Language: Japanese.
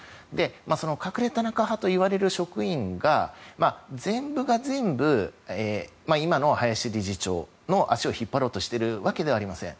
その隠れ田中派といわれる職員が全部が全部今の林理事長の足を引っ張ろうとしているわけではありません。